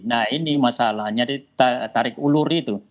nah ini masalahnya di tarik ulur itu